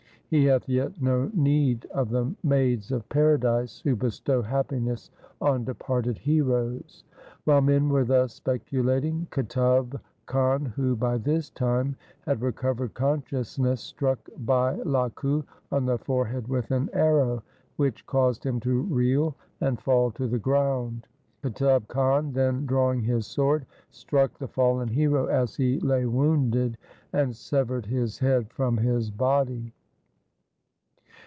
He hath yet no need of the maids of paradise who bestow happiness on departed heroes.' While men were thus speculating, Qutub Khan, who by this time had recovered consciousness, struck Bhai Lakhu on the forehead with an arrow, which caused him to reel and fall to the ground. Qutub Khan, then drawing his sword, struck the fallen hero as he lay wounded, and severed his head from his body.